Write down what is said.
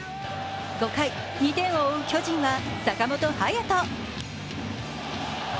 ５回、２点を追う巨人は坂本勇人。